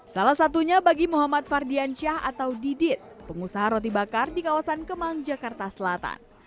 salah satunya bagi muhammad fardiansyah atau didit pengusaha roti bakar di kawasan kemang jakarta selatan